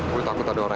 gue takut ada orang